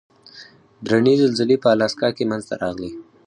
درنې زلزلې په الاسکا کې منځته راغلې.